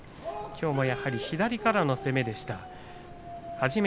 きょうも左からの攻めでした。